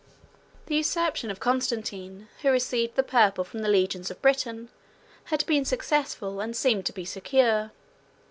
] The usurpation of Constantine, who received the purple from the legions of Britain, had been successful, and seemed to be secure.